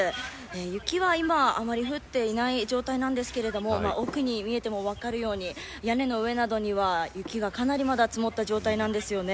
雪は今、あまり降っていない状態なんですが奥に見えているように屋根の上などには、雪がかなりまだ積もった状態です。